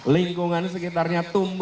lingkungan sekitarnya tumbuh